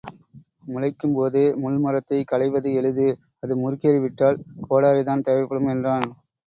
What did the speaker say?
முளைக்கும் போதே முள் மரத்தைக் களைவது எளிது அது முறுக்கேறி விட்டால் கோடரிதான் தேவைப்படும் என்றான்.